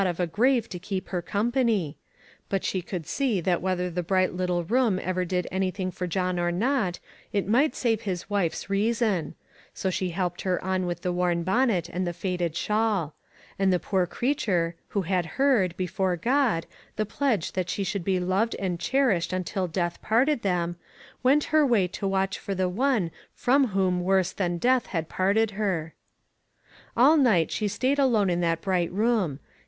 493 of a grave to keep her company ; but she could see that whether the bright little room ever did anything for John or not, it might save his wife's reason ; so she helped her on with the worn bonnet and the faded shawl ; and the poor creature, who had heard, before God, the pledge that she should be loved and cherished until death parted them, went her way to watch for the one from whom worse than death had parted her. All night she stayed alone in the bright room.